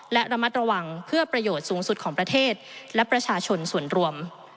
และระมัดระวังเพื่อประโยชน์สูงสุดของประเทศและประชาชนส่วนรวม